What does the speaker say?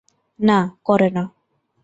না, করে না।